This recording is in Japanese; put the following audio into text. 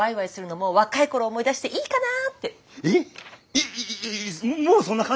いやいやもうそんな感じ